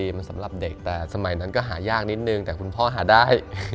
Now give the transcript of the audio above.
มันสำหรับเด็กแต่สมัยนั้นก็หายากนิดนึงแต่คุณพ่อหาได้